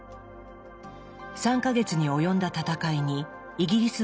３か月に及んだ戦いにイギリス軍が勝利。